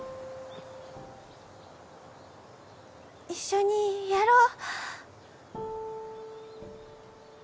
一緒にやろう。